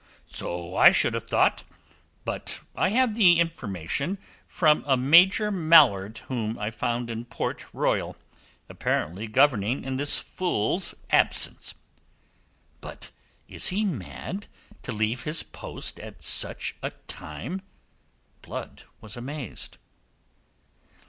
"So I should have thought. But I have the information from a Major Mallard whom I found in Port Royal, apparently governing in this fool's absence." "But is he mad, to leave his post at such a time?" Blood was amazed.